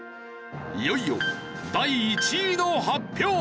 いよいよ第１位の発表。